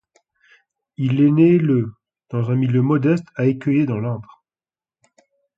Il est né le dans un milieu modeste à Écueillé dans l’Indre.